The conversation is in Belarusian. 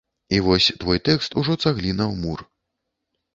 І вось твой тэкст ужо цагліна ў мур.